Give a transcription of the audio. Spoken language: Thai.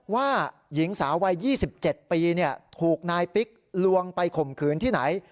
ว่าหญิงสาววัย๒๗ปีถูกนายปิ๊กลวงไปข่มขืนที่ไหน